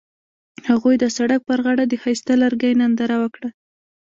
هغوی د سړک پر غاړه د ښایسته لرګی ننداره وکړه.